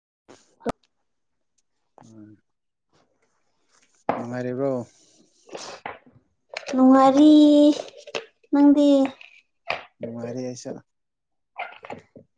[unintelligible] ꯎꯝ ꯅꯨꯡꯉꯥꯏꯔꯤꯕ꯭ꯔꯣ ꯅꯨꯡꯉꯔꯤ ꯅꯪꯗꯤ ꯅꯨꯡꯉꯔꯤꯁ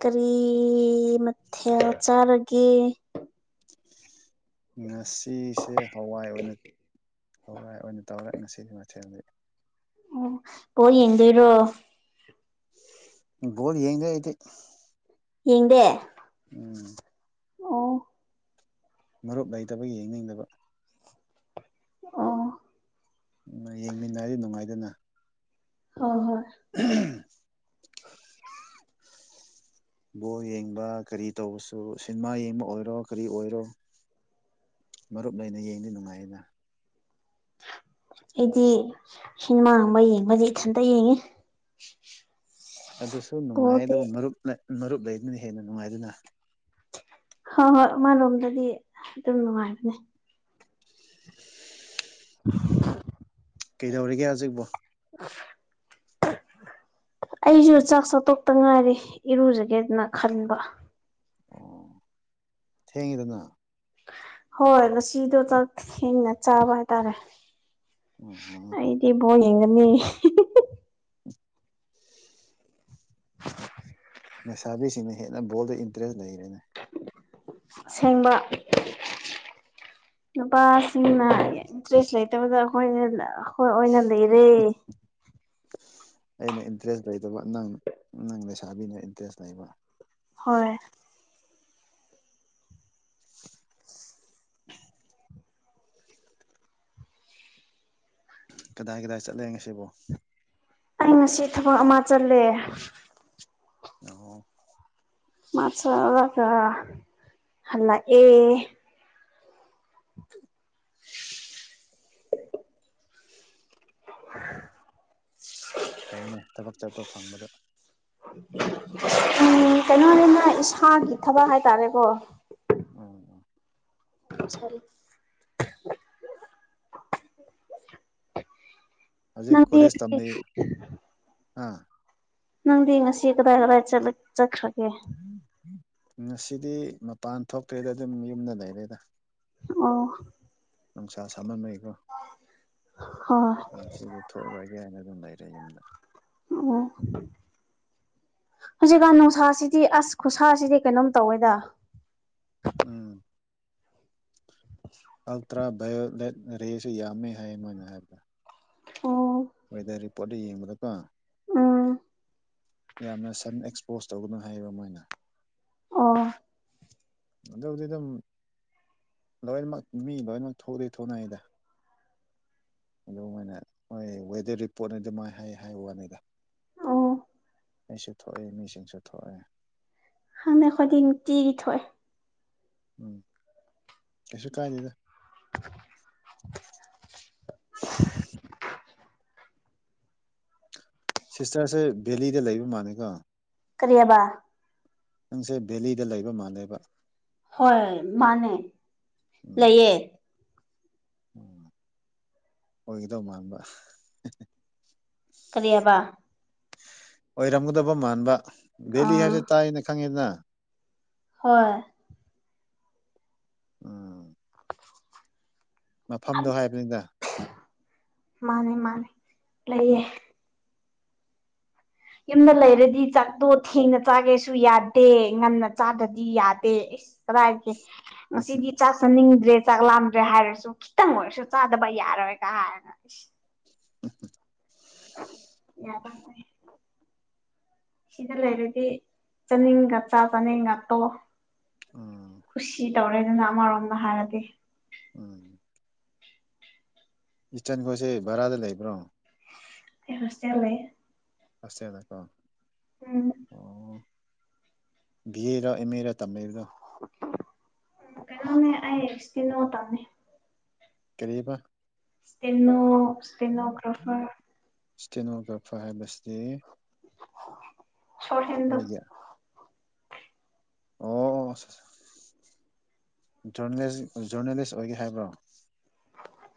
ꯀꯔꯤ ꯃꯊ꯭ꯌꯥ ꯆꯥꯔꯒꯦ ꯉꯁꯤꯁꯦ ꯍꯋꯥꯏ ꯑꯣꯏꯅ ꯍꯣꯏ ꯍꯣꯏ ꯑꯣꯏꯅ ꯇꯧꯔꯦ ꯉꯁꯤꯗꯤ ꯃꯊꯦꯜꯗꯤ ꯑꯣ ꯑꯣ ꯌꯦꯡꯗꯣꯏꯔꯣ ꯣꯗꯤ ꯌꯦꯗ ꯑꯗꯤ ꯌꯦꯗꯦ ꯑꯣ ꯃꯔꯨꯞ ꯂꯩꯇꯕ ꯌꯦꯡꯅꯤꯡꯗꯕ ꯑ ꯎ ꯌꯦꯡꯃꯤꯟꯅꯗꯤ ꯅꯨꯡꯉꯥꯏꯗꯅ ꯍꯣꯏ ꯍꯣꯏ [inaudible] ꯕꯣ ꯌꯦꯡꯕ ꯀꯔꯤ ꯇꯧꯕꯁꯨ ꯁꯤꯅꯦꯃꯥ ꯌꯦꯡꯕ ꯑꯣꯏꯔꯣ ꯀꯔꯤ ꯑꯣꯏꯔꯣ ꯃꯔꯨꯞ ꯂꯩꯅ ꯌꯦꯡꯗꯤ ꯅꯨꯡꯉꯥꯏ ꯑꯩꯅ ꯑꯩꯗꯤ ꯁꯤꯅꯦꯃꯥꯒꯨꯝꯕ ꯌꯦꯡꯕꯁ ꯏꯊꯟꯇ ꯌꯦꯡꯉꯤ [inaudible] ꯑꯗꯨꯁꯨ ꯅꯨꯡꯉꯥꯏ ꯕꯣꯜꯗꯤ ꯑꯗꯨꯒꯕꯨ ꯃꯔꯨꯞ ꯃꯔꯨꯞ ꯂꯩꯗꯨꯅ ꯍꯦꯟꯅ ꯅꯨꯡꯉꯥꯏꯗꯨꯅ ꯍꯣꯏ ꯍꯣꯏ ꯃꯥꯂꯣꯝꯗꯗꯤ ꯑꯗꯨꯝ ꯅꯨꯡꯉꯥꯏꯕꯅꯦ [unintelligible] ꯀꯩꯗꯧꯔꯤꯒꯦ ꯍꯧꯖꯤꯛꯕꯣ [unintelligible] ꯑꯩꯁꯨ ꯆꯥꯛ ꯆꯥꯊꯣꯛꯇ ꯉꯥꯏꯔꯦ ꯏꯔꯨꯖꯒꯦꯗꯅ ꯈꯟꯕ ꯊꯦꯡꯉꯗꯅ ꯍꯣꯏ ꯉꯁꯤꯗꯣ ꯆꯥꯛ ꯊꯦꯡꯅ ꯆꯥꯕ ꯍꯥꯏꯇꯥꯔꯦ ꯑ ꯑꯦꯉꯅꯤ [unintelligible] ꯃꯁꯥꯕꯤꯁꯤꯡꯅ ꯍꯦꯟꯅ ꯣꯜꯗ ꯏꯟꯇꯔꯦꯁ ꯂꯩꯔꯦꯅꯦ ꯁꯦꯡꯕ ꯅꯨꯄꯥꯁꯤꯡꯅ ꯏꯟꯇꯔꯦꯁ ꯂꯩꯇꯕꯗ ꯑꯩꯈꯣꯏꯈ ꯑꯣꯏꯅ ꯂꯩꯔꯦ ꯑꯩꯅ ꯏꯟꯇꯔꯦꯁ ꯂꯩꯇꯕ ꯅꯪ ꯅꯪ ꯂꯩꯁꯥꯕꯤꯅ ꯏꯟꯇꯔꯦꯁ ꯂꯩꯕ ꯍꯣꯏ ꯀꯗꯥꯏ ꯀꯗꯥꯏ ꯆꯠꯂꯦ ꯉꯁꯤꯕꯣ ꯑꯩ ꯉꯁꯤ ꯊꯕꯛ ꯑꯃ ꯆꯠꯂꯦ ꯑ ꯃꯥꯁꯒ ꯑꯜꯂ ꯑꯦ [unintelligible] [inaudible] ꯐꯩꯅꯦ ꯊꯕꯛ ꯆꯠꯄ ꯐꯪꯕꯗ ꯎꯝ ꯀꯩꯅꯣ ꯍꯥꯏꯔꯦ ꯃꯥ ꯏꯁꯥꯒꯤ ꯊꯕꯛ ꯍꯥꯏꯇꯥꯔꯦꯀꯣ ꯎꯝ ꯔꯤ ꯅꯪ ꯑꯥ ꯅꯪꯗꯤ ꯉꯁꯤ ꯀꯗꯥꯏ ꯀꯗꯥꯏ ꯆꯠꯈ꯭ꯔꯒꯦ ꯉꯁꯤꯗꯤ ꯃꯄꯥꯟ ꯊꯣꯛꯇ꯭ꯔꯦꯗ ꯑꯗꯨꯝ ꯌꯨꯝꯗ ꯂꯩꯔꯦꯗ ꯑꯣ ꯅꯨꯡꯁꯥ ꯁꯥꯃꯟꯅꯩꯀꯣ ꯍꯣꯏ ꯉꯗꯤ ꯊꯣꯛꯂꯔꯒꯦ ꯍꯥꯏꯅ ꯑꯗꯨꯝ ꯂꯩꯔ ꯂꯩꯗ ꯑꯣ ꯍꯧꯖꯤꯛꯀꯥꯟ ꯅꯨꯡꯁꯥꯁꯤꯗꯤ ꯑꯁ ꯈꯨꯠꯁꯥꯁꯤꯗꯤ ꯀꯩꯅꯣꯝ ꯇꯧꯋꯦꯗ ꯎꯝ ꯑꯜꯇ꯭ꯔꯥ ꯕꯥꯏꯑꯣꯂꯦꯠ ꯔꯦꯁꯨ ꯌꯥꯝꯃꯦ ꯍꯥꯏꯌꯦ ꯃꯣꯏꯅ ꯍꯥꯏꯕꯗ ꯑꯣ ꯄꯣꯠꯠꯇ ꯌꯦꯡꯕꯗꯀꯣ ꯑ ꯌꯥꯝꯅ ꯁꯟ ꯑꯦꯛꯁꯄꯣꯁ ꯇꯧꯒꯅꯨ ꯍꯥꯏꯌꯦꯕ ꯑꯃꯅ ꯑꯣ ꯑꯗꯨꯕꯨꯗꯤ ꯑꯗꯨꯝ ꯂꯣꯏꯅꯃꯛ ꯃꯤ ꯂꯣꯏꯅꯃꯛ ꯊꯣꯛꯂꯤꯦ ꯊꯣꯛꯅꯉꯗ ꯑꯗꯨꯃꯥꯏꯅ ꯃꯣꯏ ꯋꯦꯗꯔ ꯔꯤꯄꯣꯔꯠꯅꯤ ꯑꯗꯨꯃꯥꯏ ꯍꯥꯏ ꯋꯥꯅꯤꯗ ꯑꯣ ꯃꯤꯁꯨ ꯊꯣꯛꯏ ꯃꯤꯁꯤꯡꯁꯨ ꯊꯣꯛꯑꯦ ꯍꯪꯅ ꯈꯗꯤ ꯇꯤꯔꯤ ꯊꯣꯏ ꯎꯝ ꯀꯁꯤ ꯀꯥꯏꯗꯗ [unintelligible] ꯁꯤꯁꯇꯔꯁꯦ ꯚꯦꯂꯤꯗ ꯂꯩꯕ ꯃꯥꯅꯤꯀꯣ ꯀ꯭ꯔꯤꯕ ꯅꯪꯁꯦ ꯚꯦꯂꯤꯗ ꯂꯩꯕ ꯃꯥꯜꯂꯦꯕ ꯍꯣꯏ ꯃꯥꯅꯦ ꯂꯩꯌꯦ ꯎ ꯑꯣꯏꯒꯗꯧ ꯃꯥꯟꯕ ꯀꯔꯤꯑꯕ ꯑꯣꯏꯔꯝꯒꯗꯕ ꯃꯥꯟꯕ ꯕꯦꯂꯤ ꯑꯥ ꯍꯥꯏꯁꯦ ꯇꯥꯏꯌꯦꯅ ꯈꯪꯉꯤꯗꯅ ꯍꯣꯏ ꯎꯝ ꯃꯐꯝꯗꯣ ꯍꯥꯏꯕꯅꯤꯗ ꯃꯥꯅꯦ ꯃꯥꯅꯤ ꯂꯩꯌꯦ ꯌꯨꯝꯗ ꯂꯩꯔꯗꯤ ꯆꯥꯛꯠꯇꯣ ꯊꯦꯡꯅ ꯆꯥꯒꯦꯁꯨ ꯌꯥꯗꯦ ꯉꯟꯅ ꯆꯥꯗ꯭ꯔꯗꯤ ꯌꯥꯗꯦꯁ ꯀꯗꯥꯥꯏꯒꯦ ꯉꯁꯤꯗꯤ ꯆꯥ ꯆꯟꯅꯤꯡꯗꯦ ꯭ꯔꯦ ꯆꯥꯛꯂꯝꯥꯂꯝꯗ꯭ꯔꯦ ꯍꯥꯏꯔꯁꯨ ꯈꯤꯇꯪ ꯑꯣꯏꯔꯁꯨ ꯆꯥꯗꯕ ꯌꯥꯔꯔꯣꯏꯒ ꯍꯥꯏꯔꯒ ꯑꯩꯁ ꯑ ꯌꯥꯗ ꯁꯤꯗ ꯂꯩꯔꯗꯤ ꯆꯥꯅꯤꯡꯒ ꯆ ꯆꯥꯅꯤꯡ ꯉꯇꯣ ꯎꯝ ꯈꯨꯨꯁꯤ ꯇꯧꯔꯦꯗꯅ ꯑꯃꯔꯣꯝꯗ ꯍꯥꯏꯔꯗꯤ ꯎꯝ ꯏꯁꯇꯟꯈꯣꯠꯁꯦ ꯚꯔꯥꯗ ꯂꯩꯕ꯭ꯔꯣ ꯑꯦ ꯔꯁꯦꯂꯦ ꯐꯦꯂ ꯀꯣ ꯏꯃꯦꯔ ꯊꯝꯃꯦꯒ ꯎ ꯀꯩꯅꯅꯦ ꯑꯁꯗꯤ ꯅ ꯇꯅꯤ ꯀꯔꯤꯕ ꯀꯩꯅꯣ ꯀꯩꯅꯣ ꯈꯪꯕꯔꯥ ꯀꯦꯅꯣꯒ꯭ꯔꯥꯐꯔ ꯍꯥꯏꯕꯁꯤꯗꯤ ꯁꯣꯔꯠ ꯍꯦꯟꯗꯣ ꯑꯩꯒꯤ ꯑꯣ ꯖꯔꯅꯦꯂꯤꯁ ꯑꯣꯏꯒꯦ ꯍꯥꯏꯕ꯭ꯔꯣ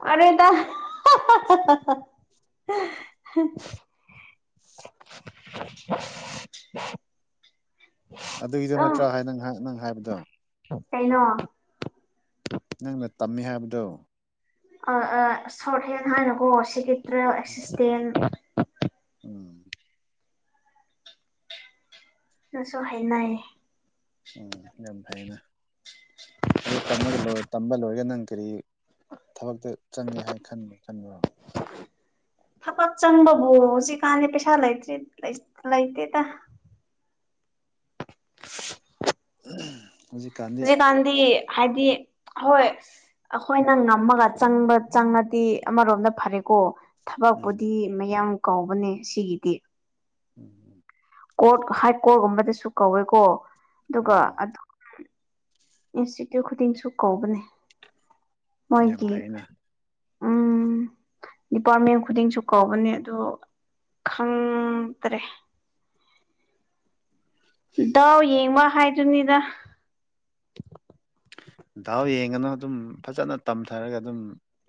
ꯑꯔꯗ [unintelligible] ꯑꯗꯨꯒꯤꯗꯨꯣ ꯅꯠꯇ꯭ꯔ ꯍꯥꯏ ꯅꯍꯥꯛ ꯅꯪ ꯍꯥꯏꯕꯗꯣ ꯇꯩꯅꯣ ꯅꯪꯅ ꯇꯝꯃꯦ ꯍꯥꯏꯕꯗꯣ ꯁꯣꯔꯠ ꯍꯦꯟ ꯍꯥꯏꯅꯀꯣ ꯁꯤꯀꯦꯇ꯭ꯔꯦꯜ ꯑꯦꯛꯁꯤꯁꯇꯦꯟ ꯎꯝ ꯅꯁꯨ ꯍꯥꯏꯅꯑ ꯎꯝ ꯌꯥꯝ ꯐꯩꯅ ꯑꯗꯨ ꯇꯝꯃꯒ ꯂꯣꯏꯔ ꯇꯝꯕ ꯂꯣꯏꯔꯒ ꯅꯪ ꯀꯔꯤ ꯊꯕꯛꯇ ꯆꯪꯒꯦ ꯍꯥꯏ ꯈ ꯈꯟꯕ꯭ꯔꯣ [inaudible] ꯊꯕꯛ ꯆꯪꯕꯕꯨ ꯁꯤꯖꯤ ꯀꯥꯟꯗ ꯄꯩꯁꯥ ꯂꯩꯇ꯭ꯔꯤ ꯂꯩꯇꯦꯗ [inaudible] ꯎꯝ ꯍꯧꯖꯤꯛꯀꯥꯟꯗꯤ ꯍꯥꯏꯗꯤ ꯍꯣꯏ ꯑꯩꯈꯣꯏ ꯈꯤꯪ ꯉꯝꯃꯒ ꯎꯝ ꯆꯪꯕ ꯆꯪꯉꯗꯤ ꯑꯃꯔꯣꯝꯗ ꯐꯔꯦꯀꯣ ꯊꯕꯛꯄꯨꯗꯤ ꯃꯌꯥꯝ ꯀꯥꯎꯕꯅꯦ ꯁꯤꯒꯤꯗꯤ ꯎꯝ ꯀꯣꯔꯠ ꯍꯥꯏ ꯀꯣꯔꯠꯒꯨꯝꯕꯗꯁꯨ ꯀꯧꯋꯦꯀꯣ ꯑꯗꯨꯒ ꯑꯣ ꯏꯟꯁꯇꯤꯇ꯭ꯌꯨꯠ ꯈꯨꯗꯤꯡꯁꯨ ꯀꯧꯕꯅꯦ ꯌꯥꯝ ꯐꯥꯏꯅ ꯑꯝ ꯗꯤꯄꯥꯔꯠꯃꯦꯟ ꯈꯨꯗꯤꯡꯁꯨ ꯀꯧꯕꯅꯦ ꯑ ꯈꯪꯗ꯭ꯔꯦ ꯗꯥꯎ ꯌꯦꯡꯕ ꯍꯥꯏꯗꯨꯅꯤꯗ ꯗꯥꯎ ꯌꯦꯡꯉꯅꯨ ꯑꯗꯨꯝ ꯐꯖꯅ ꯇꯝꯊꯔꯒ ꯑꯗꯨꯝ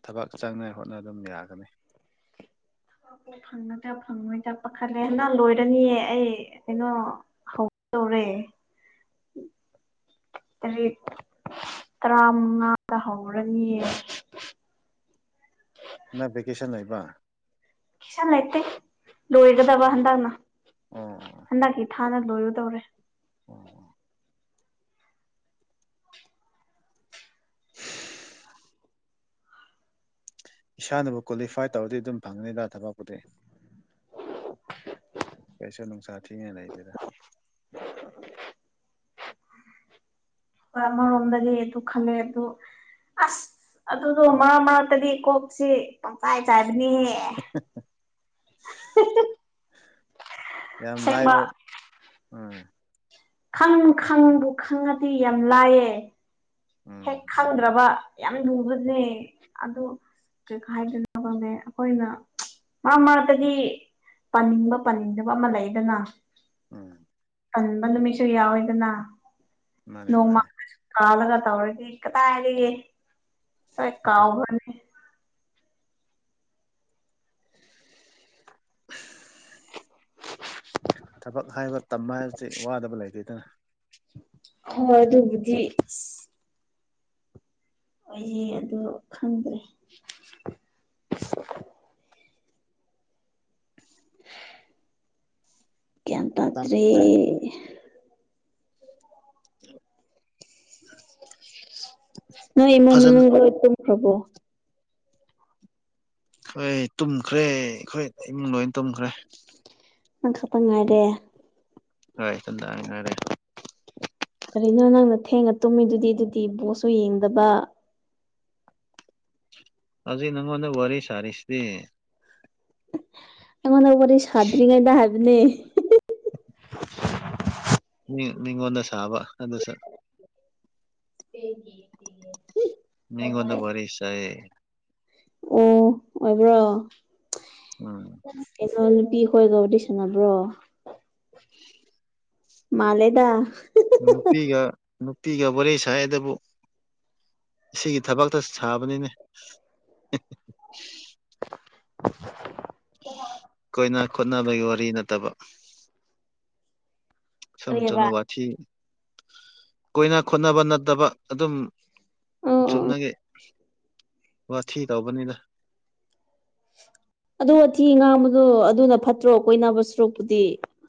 ꯊꯕꯛ ꯆꯪꯅ ꯍꯣꯠꯅ ꯑꯗꯨꯝ ꯌꯥꯒꯅꯤ ꯑꯣ ꯐꯪꯉꯗ ꯐꯪꯉꯣꯏꯗ ꯄꯥꯈꯠꯂꯦ ꯍꯅ ꯂꯣꯏꯔꯅꯤꯌꯦ ꯑꯩ ꯀꯩꯅꯣ ꯇꯧꯣꯔꯦ ꯇꯔꯦꯠ ꯇꯔꯥ ꯃꯉꯥꯗ ꯍꯧꯔꯅꯤꯌꯦ ꯀ ꯅ ꯦꯀꯦꯁꯟ ꯂꯩꯕ ꯁ ꯂꯥꯏꯇ ꯂꯣꯋꯒꯗꯥ ꯋꯥ ꯑꯣ ꯍꯗꯥꯅꯥ ꯑꯣ ꯍꯗ ꯊ ꯍꯥꯟꯅ ꯂꯣꯏꯔꯨꯗꯧꯔꯦ ꯎꯝ ꯎꯝ ꯏꯁꯥꯅꯕꯨ ꯀ꯭ꯋꯥꯂꯤꯐꯥꯏ ꯇꯧꯔꯗꯤ ꯑꯗꯨꯝ ꯐꯪꯒꯅꯤꯗ ꯊꯕꯛꯄꯨꯗꯤ ꯀꯩꯁꯨ ꯅꯨꯡꯁꯥ ꯊꯤꯉꯩ ꯂꯩꯗꯦꯗ ꯣꯏ ꯑꯃꯔꯣꯝꯗꯒꯤ ꯑꯗꯨ ꯈꯜꯂꯦ ꯑꯗꯨ ꯑꯁ ꯑꯗꯨꯗꯣ ꯃꯥ ꯃꯥꯇꯗꯤ ꯀꯣꯛꯁꯤ ꯀꯥꯏ ꯆꯥꯏꯕꯅꯤ ꯍꯦ ꯌꯥꯝ ꯅꯥꯏꯕ ꯈꯪ ꯈꯪꯕꯨ ꯈꯪꯉꯗꯤ ꯌꯥꯝ ꯂꯥꯏꯌꯦ ꯎꯝ ꯍꯦꯛ ꯈꯪꯗ꯭ꯔꯕ ꯌꯥꯝ ꯂꯨꯕꯁꯦ ꯑꯗꯣ ꯀꯩ ꯍꯥꯏꯗꯅ ꯈꯪꯂ ꯑꯩꯈꯣꯏꯅ ꯃꯥ ꯃꯥꯗꯤ ꯄꯥꯅꯤꯡꯕ ꯄꯥꯅꯤꯡꯗꯕ ꯑꯃ ꯂꯩꯗꯅ ꯎꯝ ꯀꯟꯕ ꯅꯨꯃꯤꯠꯁꯨ ꯌꯥꯎꯋꯦꯗꯅ ꯃꯥꯅꯦ ꯃꯥꯅꯦ ꯀꯥꯂꯒ ꯇꯧꯔꯒ ꯀꯗꯥ ꯍꯥꯏꯔꯤ ꯀ ꯀꯥꯎꯕꯅꯦ ꯊꯕꯛ ꯍꯥꯏꯕ ꯇꯝꯕ ꯍꯥꯏꯗꯤ ꯋꯥꯗꯕ ꯂꯩꯇꯦꯗꯅ ꯍꯣꯏ ꯑꯗꯨꯕꯨ ꯑꯩꯁꯦ ꯑꯗꯨ ꯈꯪꯗ꯭ꯔꯦ ꯀꯦꯇꯗꯔꯤ ꯍ ꯅꯣꯏꯃ ꯃꯠꯇꯝ ꯐ꯭ꯔꯕꯣ ꯍꯣꯏ ꯇꯨꯝꯈ꯭ꯔꯦ ꯑꯩꯈꯣꯏ ꯏꯃꯨꯡ ꯂꯣꯏ ꯇꯨꯝꯈ꯭ꯔꯦ ꯑ ꯀꯄ ꯉꯔꯦ ꯍꯣꯏꯗꯥꯉꯔꯦ ꯀꯔꯤꯅꯣ ꯅꯪꯅ ꯊꯦꯡꯉ ꯇꯨꯝꯃꯤꯗꯨꯗꯤ ꯑꯗꯨꯗꯤ ꯕꯣꯁꯁꯨ ꯌꯦꯡꯗꯕ ꯑꯗꯨꯖꯤ ꯅꯪꯟꯅ ꯋꯥꯔꯤ ꯁꯔꯤꯁꯤꯗꯤ ꯑꯩꯉꯣꯟꯗ ꯋꯥꯔꯤ ꯁꯥꯗ꯭ꯔꯤꯉꯩꯗ ꯍꯥꯏꯕꯅꯦ ꯃꯥꯉꫭꯟꯗ ꯁꯕ ꯑꯗꯨꯁꯨ ꯁꯤꯒꯤ ꯃꯤꯒꯣꯗ ꯋꯥꯔꯤꯔꯁꯑꯦ ꯑꯣ ꯑꯣꯏꯕ꯭ꯔꯣ ꯎꯝ ꯅꯨꯄꯤ ꯈꯣꯏꯒꯕꯨꯗꯤ ꯁꯥꯟꯅꯕ꯭ꯔꯣ ꯃꯥꯜꯂꯦꯗ ꯅꯨꯄꯤꯒ ꯅꯨꯄꯤꯒ ꯋꯥꯔꯤ ꯁꯥꯏꯗꯕꯨ ꯁꯤꯒꯤ ꯊꯕꯛꯇ ꯁꯥꯕꯅꯤꯅꯦ [inaudible] ꯀꯣꯏꯅ ꯈꯣꯠꯅꯕꯒꯤ ꯋꯥꯔꯤ ꯅꯠꯇꯕ ꯁꯨꯝ ꯀꯔꯤꯕ ꯆꯅ ꯋꯥꯊꯤ ꯀꯣꯏꯅ ꯈꯣꯠꯅꯕ ꯅꯠꯇꯕ ꯑꯗꯨꯝ ꯑꯣ ꯑꯣ ꯆꯨꯟꯅꯒꯦ ꯋꯥꯊꯤ ꯇꯧꯕꯅꯤꯗ ꯑꯗꯨ ꯑꯊꯤ ꯉꯥꯡꯕꯗꯣ ꯑꯗꯨꯅ ꯐꯠꯇ꯭ꯔꯣ ꯑꯩ ꯀꯣꯏꯅꯥꯕꯩ ꯁꯥꯔꯨꯛꯄꯨꯗꯤ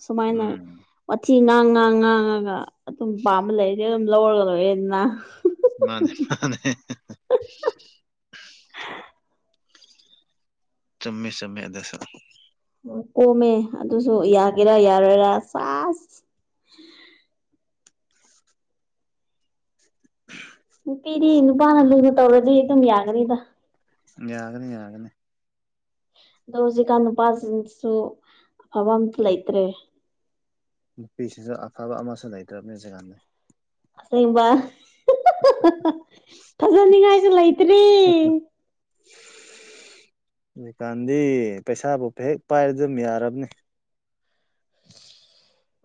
ꯁꯨꯃꯥꯏꯅ ꯎꯝ ꯋꯥꯊꯤ ꯉꯥꯡ ꯉꯥꯡ ꯉꯥꯡꯉꯒ ꯑꯗꯨꯝ ꯄꯥꯝꯕ ꯂꯩꯒꯦ ꯑꯗꯨꯝ [unintelligible] ꯃꯥꯅꯦ ꯃꯥꯅꯦ ꯍꯍ ꯍ ꯆꯨꯝꯃꯦ ꯆꯨꯝꯃꯦ ꯑꯗꯨꯁꯨ ꯀꯣꯝꯃꯦ ꯑꯗꯨꯁꯨ ꯌꯥꯒꯦꯔꯥ ꯌꯥꯔꯣꯏꯔꯥ ꯆꯥꯁ ꯅꯨꯄꯤꯗꯤ ꯅꯨꯄꯥꯅ ꯂꯨꯅ ꯇꯧꯔꯗꯤ ꯑꯗꯨꯝ ꯌꯥꯒꯅꯤꯗ ꯌꯥꯒꯅꯤ ꯌꯥꯒꯅꯤ ꯑꯗꯣ ꯍꯧꯖꯤꯛꯀꯥꯟ ꯅꯨꯄꯥꯁꯤꯡꯁꯨ ꯑꯐꯕ ꯑꯝꯇ ꯂꯩꯇ꯭ꯔꯦ ꯅꯨꯄꯤꯁꯤꯁꯨ ꯑꯐꯕ ꯑꯃꯁꯨ ꯂꯩꯇ꯭ꯔꯕꯅꯤ ꯖꯒꯥꯟꯅꯤ ꯑꯁꯦꯡꯕ ꯐꯖꯅꯤꯡꯉꯥꯏꯁꯨ ꯂꯩꯇ꯭ꯔꯤ ꯍꯧꯖꯤꯀꯥꯟꯗꯤ ꯄꯩꯁꯥꯕꯨ ꯍꯦꯛ ꯄꯥꯏꯔ ꯑꯗꯨꯝ ꯌꯥꯔꯕꯅꯦ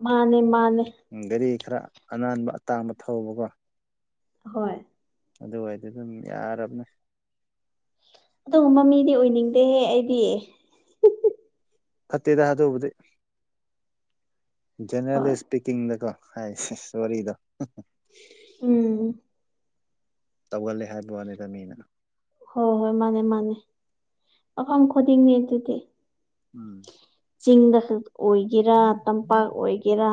ꯃꯥꯅꯦ ꯃꯥꯅꯦ ꯒꯥꯔꯤ ꯈꯔ ꯑꯅꯥꯟꯕ ꯑꯇꯥꯡꯕ ꯊꯧꯕꯀꯣ ꯍꯣꯏ ꯑꯗꯨꯋꯥꯏꯗꯨ ꯑꯗꯨꯝ ꯌꯥꯔꯕꯅꯦ ꯑꯗꯨꯒꯨꯝꯕ ꯃꯤꯗꯤ ꯑꯣꯏꯅꯤꯡꯗꯦꯍꯦ ꯑꯩꯗꯤ ꯐꯠꯇꯦꯗ ꯍꯥꯗꯕꯨꯗꯤ ꯖꯦꯅꯔꯦꯂꯤ ꯍꯣꯏ ꯏꯁꯄꯤꯀꯤꯡꯗꯀꯣ ꯍꯥꯏ ꯋꯥꯔꯤꯗꫭ ꯎꯝ ꯇꯧꯒꯜꯂꯦ ꯍꯥꯏꯕ ꯋꯥꯅꯤꯗꯃꯤꯅ ꯍꯣꯏ ꯍꯣꯏ ꯃꯥꯅꯦ ꯃꯥꯅꯦ ꯑꯐꯝ ꯈꯨꯗꯤꯡꯅꯤ ꯑꯗꯨꯗꯤ ꯎꯝ ꯆꯤꯡꯗ ꯈꯛ ꯑꯣꯏꯒꯦꯔꯥ ꯇꯝꯄꯥꯛ ꯑꯣꯏꯒꯦꯔꯥ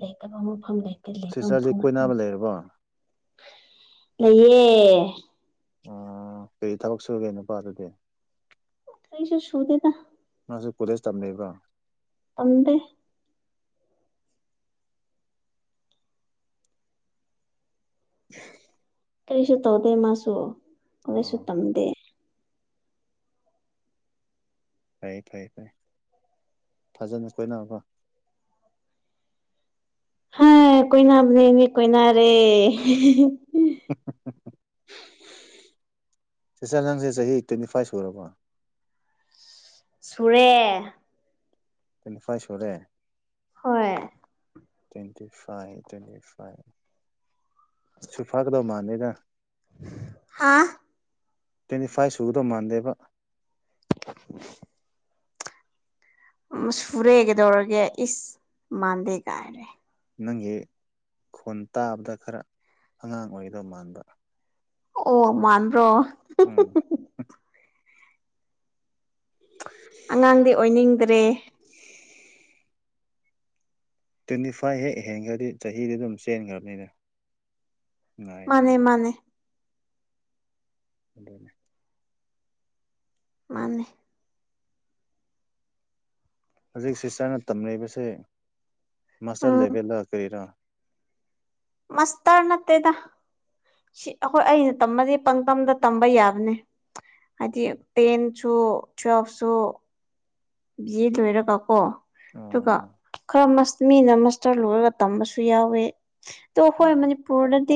ꯂꯩꯇꯕ ꯃꯐꯝ ꯂꯩꯀ ꯂꯩꯕ ꯁꯤꯁꯇꯔꯁꯦ ꯃꯐꯝ ꯀꯣꯏꯅꯕ ꯂꯩꯔꯕꯣ ꯂꯩꯌꯦ ꯎ ꯀꯔꯤ ꯊꯕꯛ ꯁꯨꯒꯦ ꯅꯨꯄꯥ ꯑꯗꯨꯗꯤ ꯀꯔꯤꯁꯨ ꯁꯨꯗꯦꯗ ꯃꯥꯁꯨ ꯀꯂꯦꯖ ꯇꯝꯅꯕꯣ ꯇꯗꯦ [inaudible] ꯀꯔꯤꯁꯨ ꯇꯧꯗꯦ ꯃꯥꯁꯨ ꯀꯩꯁꯨ ꯑꯣ ꯇꯝꯗꯦ ꯐꯔꯦ ꯐꯔꯦ ꯐꯔꯦ ꯐꯖꯅ ꯀꯣꯏꯅꯀꯣ ꯀꯣꯏꯅꯕꯅꯦ ꯀꯣꯏꯅꯔꯦ ꯁꯤꯁꯇꯤꯔ ꯅꯪꯁꯦ ꯆꯍꯤ ꯇ꯭ꯋꯦꯟꯇꯤ ꯐꯥꯏꯚ ꯁꯔꯕꯣ ꯁꯨꯔꯦ ꯇꯩꯅꯐꯥꯏ ꯁꯣꯔꯨꯔꯦ ꯍꯣꯏ ꯇ꯭ꯋꯦꯟꯇꯤ ꯐꯥꯏꯚ ꯇ꯭ꯋꯦꯟꯇꯤ ꯐꯥꯏꯚ ꯁꯨꯐꯥꯛꯀꯗꯧ ꯃꯥꯥꯟꯅꯤꯗ ꯍꯥ ꯇ꯭ꯋꯦꯟꯇꯤ ꯐꯥꯏꯚ ꯁꯨꯕꯗꯣ ꯃꯥꯟꯗꯦꯕ [inaudible] ꯁꯨꯔꯦꯒꯗꯧꯔꯒꯦ ꯏꯁ ꯃꯥꯟꯗꯦꯒꯥꯏꯅ ꯅꯪꯒꯤ ꯈꯣꯟ ꯇꯥꯕꯗ ꯈꯔ ꯑꯉꯥꯡ ꯑꯣꯏꯒꯗꯧ ꯃꯥꯟꯕ ꯑꯣ ꯃꯥꯟ꯭ꯔꯣ ꯍꯨꯝ ꯎꯝ ꯍꯨꯝ ꯑꯉꯥꯡꯗꯤ ꯑꯣꯏꯅꯤꯡꯗ꯭ꯔꯦ ꯇ꯭ꯋꯦꯟꯇꯤ ꯐꯥꯏꯚ ꯍꯦꯛ ꯍꯦꯟꯈ꯭ꯔꯗꯤ ꯆꯍꯤꯗꯤ ꯑꯗꯨꯝ ꯆꯦꯟꯈ꯭ꯔꯕꯅꯤꯅ ꯃꯥꯅꯦ ꯉꯥꯏꯗ꯭ꯔꯦꯕ ꯃꯥꯅꯦ ꯑꯗꯨꯅꯦ ꯃꯥꯅꯦ ꯍꯧꯖꯤꯛ ꯁꯤꯁꯇꯔꯅ ꯇꯝꯅꯔꯤꯕꯁꯦ ꯃꯥꯁꯇꯔ ꯎꯝ ꯂꯦꯚꯦꯜꯗ ꯀꯔꯤꯔꯣ ꯃꯁꯇꯦꯔ ꯅꯥꯠꯇꯦꯗꯥ ꯁꯤ ꯑꯩꯈꯣꯏ ꯑꯩꯅ ꯇꯝꯃꯗꯤꯦ ꯄꯪꯇꯝꯗ ꯇꯝꯕ ꯌꯥꯕꯅꯦ ꯍꯥꯏꯗꯤ ꯇꯦꯟꯁꯨ ꯇ꯭ꯋꯦꯜꯐꯁꯨ ꯊꯣꯏꯔ ꯀ ꯀꯣ ꯇꯨ ꯀ ꯑꯣ ꯈꯔ ꯃꯤꯅ ꯃꯁꯇꯔ ꯂꯣꯏꯔꯒ ꯇꯝꯕꯁꯨ ꯌꯥꯎꯋꯦ ꯑꯣ ꯍꯈꯣꯏ ꯎꯝ ꯃꯅꯤꯄꯨꯔꯗꯗꯤ